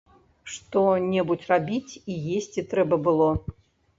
Што-небудзь рабіць і есці трэба было.